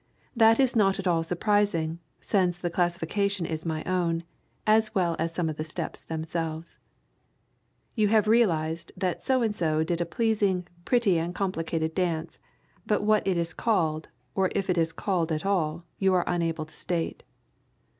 That is not at all surprising, since the classification is my own, as well as some of the steps themselves. You have realized that so and so did a pleasing, pretty and complicated dance, but what it is called, or if it is called at all, you are unable to state.